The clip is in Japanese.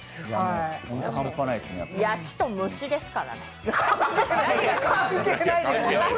焼きと蒸しですからね。